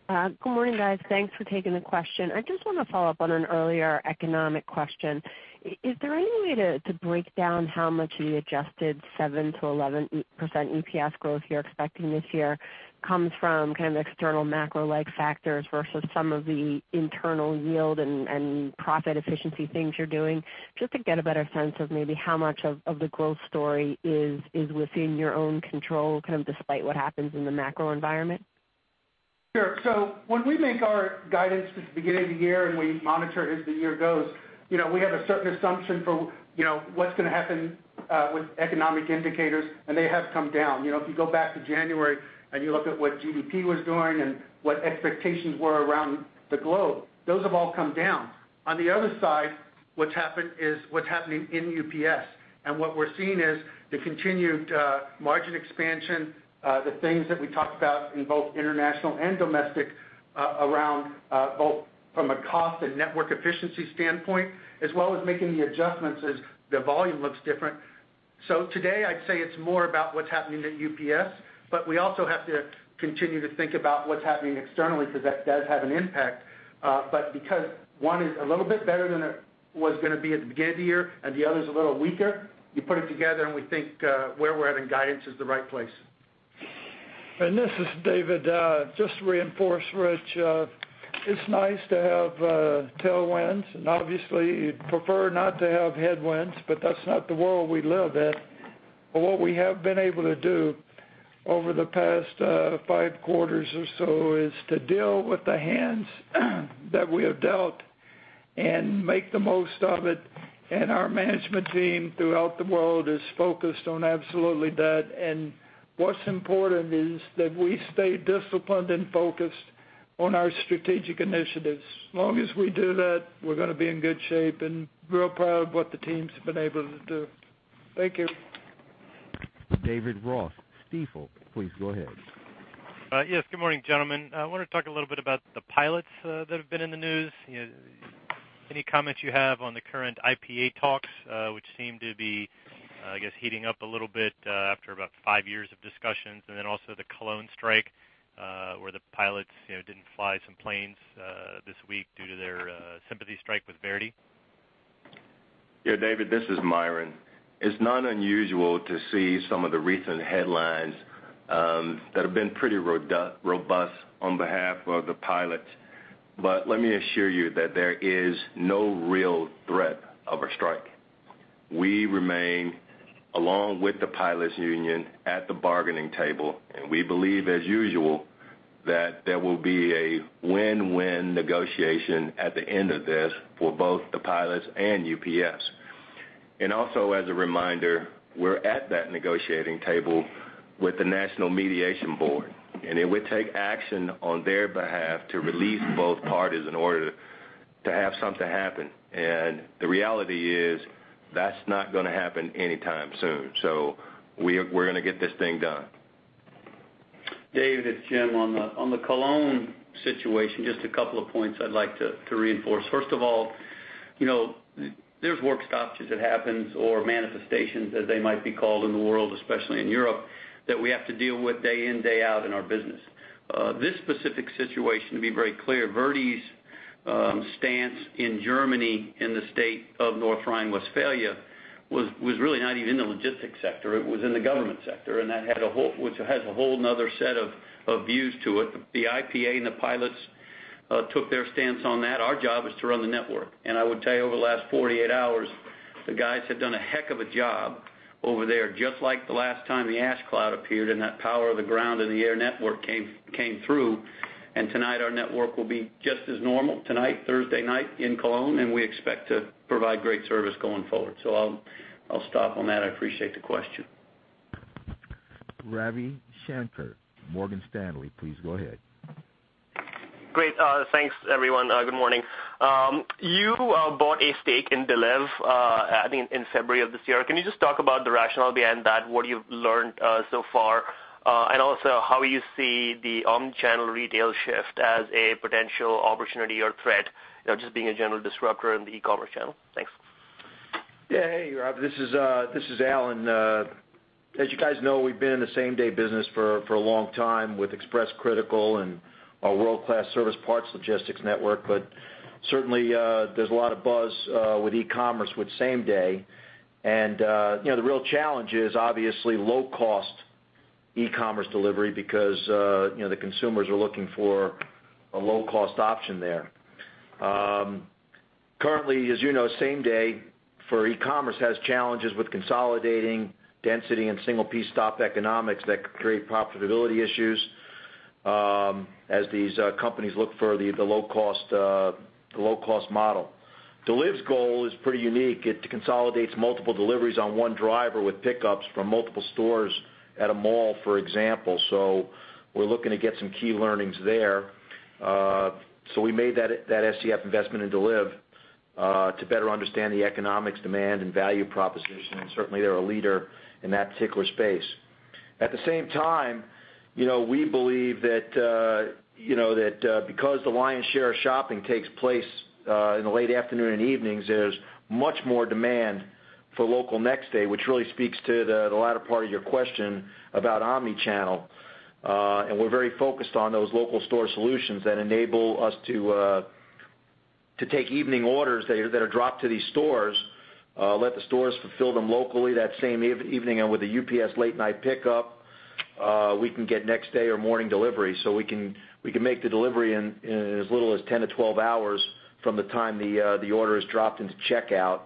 Good morning, guys. Thanks for taking the question. I just want to follow up on an earlier economic question. Is there any way to break down how much of the adjusted 7%-11% EPS growth you're expecting this year comes from kind of external macro-like factors versus some of the internal yield and profit efficiency things you're doing, just to get a better sense of maybe how much of the growth story is within your own control, kind of despite what happens in the macro environment? Sure. When we make our guidance at the beginning of the year and we monitor as the year goes, we have a certain assumption for what's going to happen with economic indicators, they have come down. If you go back to January and you look at what GDP was doing and what expectations were around the globe, those have all come down. On the other side, what's happened is what's happening in UPS, what we're seeing is the continued margin expansion, the things that we talked about in both international and domestic around both from a cost and network efficiency standpoint, as well as making the adjustments as the volume looks different. Today, I'd say it's more about what's happening at UPS, we also have to continue to think about what's happening externally because that does have an impact. Because one is a little bit better than it was going to be at the beginning of the year and the other is a little weaker, you put it together, and we think where we're at in guidance is the right place. This is David. Just to reinforce Rich, it's nice to have tailwinds, and obviously, you'd prefer not to have headwinds, but that's not the world we live in. What we have been able to do over the past five quarters or so is to deal with the hands that we are dealt and make the most of it. Our management team throughout the world is focused on absolutely that. What's important is that we stay disciplined and focused on our strategic initiatives. As long as we do that, we're going to be in good shape and real proud of what the team's been able to do. Thank you. David Ross, Stifel, please go ahead. Good morning, gentlemen. I want to talk a little bit about the pilots that have been in the news. Any comments you have on the current IPA talks, which seem to be, I guess, heating up a little bit after about five years of discussions, and then also the Cologne strike, where the pilots didn't fly some planes this week due to their sympathy strike with ver.di? Yeah, David, this is Myron. It's not unusual to see some of the recent headlines that have been pretty robust on behalf of the pilots. Let me assure you that there is no real threat of a strike. We remain, along with the pilots union, at the bargaining table, and we believe, as usual, that there will be a win-win negotiation at the end of this for both the pilots and UPS. Also, as a reminder, we're at that negotiating table with the National Mediation Board, and it would take action on their behalf to release both parties in order to have something happen. The reality is, that's not going to happen anytime soon. We're going to get this thing done. David, it's Jim. On the Cologne situation, just a couple of points I'd like to reinforce. First of all, there's work stoppages that happens or manifestations, as they might be called in the world, especially in Europe, that we have to deal with day in, day out in our business. This specific situation, to be very clear, ver.di's stance in Germany in the state of North Rhine-Westphalia was really not even in the logistics sector. It was in the government sector, which has a whole other set of views to it. The IPA and the pilots took their stance on that. Our job is to run the network. I would tell you, over the last 48 hours, the guys have done a heck of a job over there, just like the last time the ash cloud appeared and that power of the ground and the air network came through. Tonight our network will be just as normal, tonight, Thursday night in Cologne, and we expect to provide great service going forward. I'll stop on that. I appreciate the question. Ravi Shanker, Morgan Stanley, please go ahead. Great. Thanks, everyone. Good morning. You bought a stake in Deliv, I think, in February of this year. Can you just talk about the rationale behind that, what you've learned so far, and also how you see the omnichannel retail shift as a potential opportunity or threat, just being a general disruptor in the e-commerce channel? Thanks. Hey, Ravi. This is Alan. As you guys know, we've been in the same-day business for a long time with Express Critical and our world-class service parts logistics network. Certainly, there's a lot of buzz with e-commerce with same day. The real challenge is obviously low-cost e-commerce delivery because the consumers are looking for a low-cost option there. Currently, as you know, same day for e-commerce has challenges with consolidating density and single P stop economics that could create profitability issues as these companies look for the low-cost model. Deliv's goal is pretty unique. It consolidates multiple deliveries on one driver with pickups from multiple stores at a mall, for example. We're looking to get some key learnings there. We made that SEF investment into Deliv to better understand the economics, demand, and value proposition, and certainly they're a leader in that particular space. At the same time, we believe that because the lion's share of shopping takes place in the late afternoon and evenings, there's much more demand for local next day, which really speaks to the latter part of your question about omnichannel. We're very focused on those local store solutions that enable us to take evening orders that are dropped to these stores, let the stores fulfill them locally that same evening, and with a UPS late night pickup, we can get next-day or morning delivery. We can make the delivery in as little as 10-12 hours from the time the order is dropped into checkout.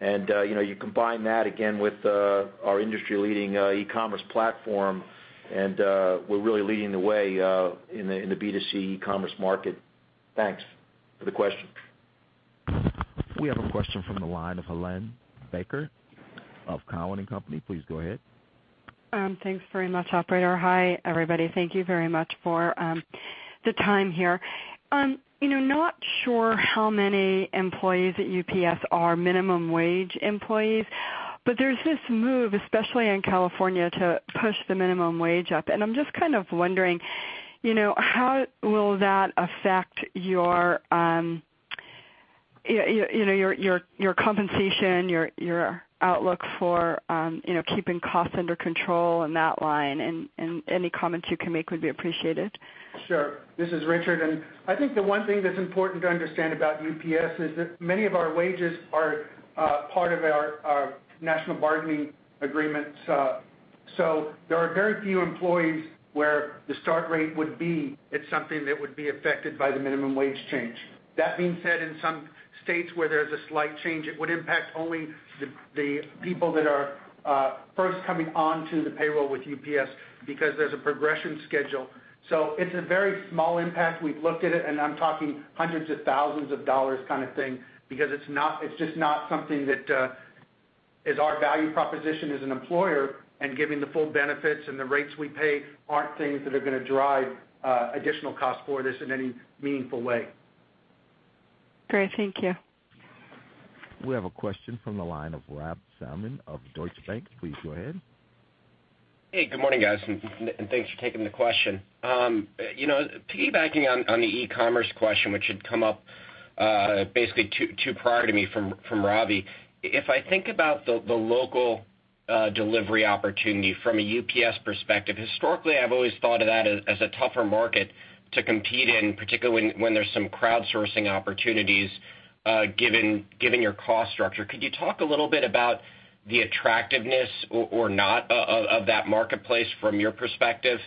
You combine that again with our industry-leading e-commerce platform, and we're really leading the way in the B2C e-commerce market. Thanks for the question. We have a question from the line of Helane Becker of Cowen and Company. Please go ahead. Thanks very much, operator. Hi, everybody. Thank you very much for the time here. Not sure how many employees at UPS are minimum wage employees, but there's this move, especially in California, to push the minimum wage up. I'm just kind of wondering, how will that affect your compensation, your outlook for keeping costs under control in that line? Any comments you can make would be appreciated. Sure. This is Richard, and I think the one thing that's important to understand about UPS is that many of our wages are part of our national bargaining agreements. There are very few employees where the start rate would be at something that would be affected by the minimum wage change. That being said, in some states where there's a slight change, it would impact only the people that are first coming onto the payroll with UPS because there's a progression schedule. It's a very small impact. We've looked at it, and I'm talking hundreds of thousands of dollars kind of thing because it's just not something that is our value proposition as an employer, and giving the full benefits and the rates we pay aren't things that are going to drive additional cost for this in any meaningful way. Great. Thank you. We have a question from the line of Robert Salmon of Deutsche Bank. Please go ahead. Hey, good morning, guys, thanks for taking the question. Piggybacking on the e-commerce question, which had come up basically two prior to me from Ravi, if I think about the local delivery opportunity from a UPS perspective, historically, I've always thought of that as a tougher market to compete in, particularly when there's some crowdsourcing opportunities, given your cost structure. Could you talk a little bit about the attractiveness or not of that marketplace from your perspective?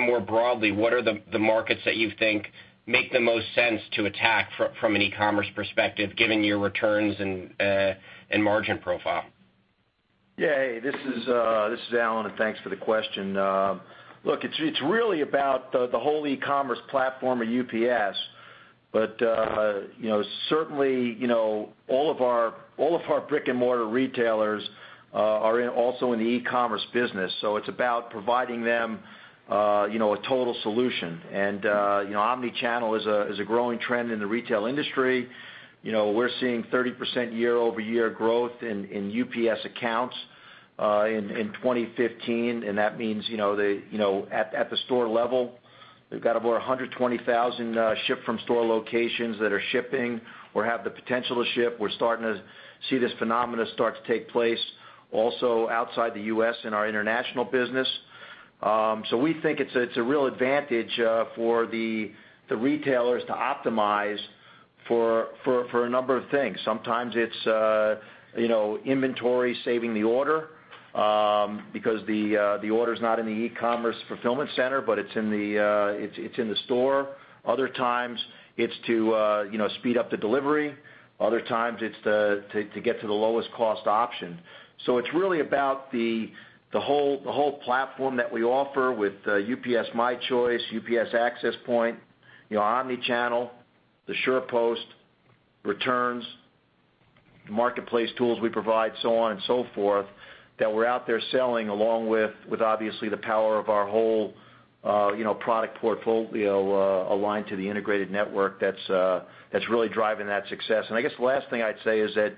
More broadly, what are the markets that you think make the most sense to attack from an e-commerce perspective, given your returns and margin profile? Yeah. This is Alan, thanks for the question. Look, it's really about the whole e-commerce platform of UPS. Certainly, all of our brick-and-mortar retailers are also in the e-commerce business, so it's about providing them a total solution. Omni-channel is a growing trend in the retail industry. We're seeing 30% year-over-year growth in UPS accounts in 2015, and that means at the store level, we've got over 120,000 ship from store locations that are shipping or have the potential to ship. We're starting to see this phenomena start to take place also outside the U.S. in our international business. We think it's a real advantage for the retailers to optimize for a number of things. Sometimes it's inventory saving the order because the order's not in the e-commerce fulfillment center, but it's in the store. Other times it's to speed up the delivery. Other times it's to get to the lowest cost option. It's really about the whole platform that we offer with UPS My Choice, UPS Access Point, Omni-Channel, the SurePost, returns, marketplace tools we provide, so on and so forth, that we're out there selling along with obviously the power of our whole product portfolio aligned to the integrated network that's really driving that success. I guess the last thing I'd say is that,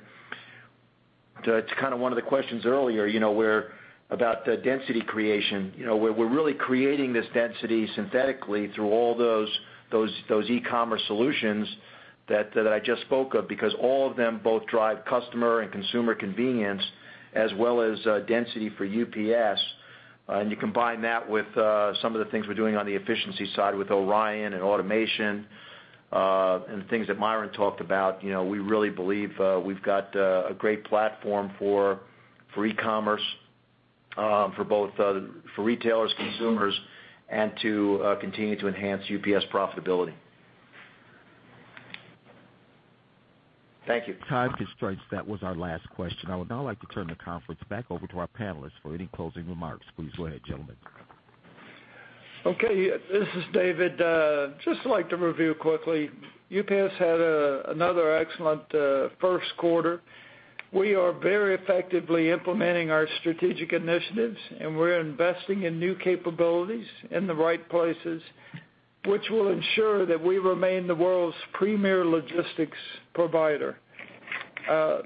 to kind of one of the questions earlier, about the density creation. We're really creating this density synthetically through all those e-commerce solutions that I just spoke of because all of them both drive customer and consumer convenience as well as density for UPS. You combine that with some of the things we're doing on the efficiency side with ORION and automation, and the things that Myron talked about. We really believe we've got a great platform for e-commerce for retailers, consumers, and to continue to enhance UPS profitability. Thank you. Time constraints. That was our last question. I would now like to turn the conference back over to our panelists for any closing remarks. Please go ahead, gentlemen. Okay, this is David. Just like to review quickly. UPS had another excellent first quarter. We are very effectively implementing our strategic initiatives, and we're investing in new capabilities in the right places, which will ensure that we remain the world's premier logistics provider.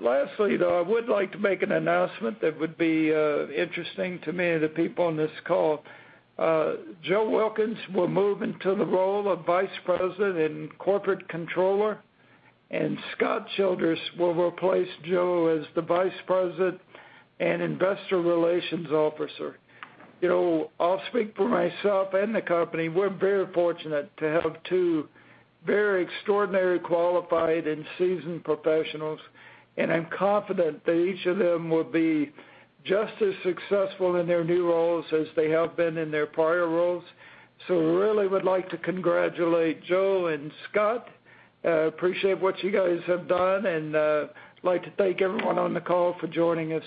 Lastly, though, I would like to make an announcement that would be interesting to many of the people on this call. Joe Wilkins will move into the role of vice president and corporate controller, and Scott Childers will replace Joe as the vice president and investor relations officer. I'll speak for myself and the company. We're very fortunate to have two very extraordinary qualified and seasoned professionals, and I'm confident that each of them will be just as successful in their new roles as they have been in their prior roles. Really would like to congratulate Joe and Scott. Appreciate what you guys have done, and like to thank everyone on the call for joining us.